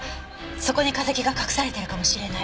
そこに化石が隠されてるかもしれない！